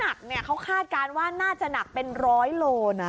น้ำหนักเขาคาดการณ์ว่าน่าจะหนักเป็นร้อยโลเมตรนะ